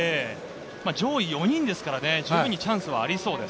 上位４人ですから、十分にチャンスはありそうです。